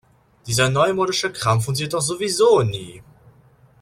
Dieser neumodische Kram funktioniert doch sowieso nie.